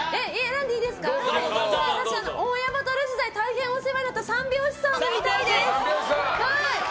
私、ＯＬ時代大変お世話になった三拍子さんが見たいです。